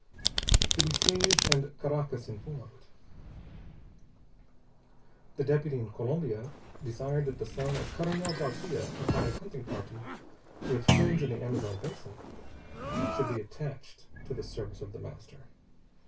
To be seized and Caracas informed. The deputy in Colombia desired that the son of Colonel García upon a hunting party with friends in the Amazon basin should be attached to the service of The Master.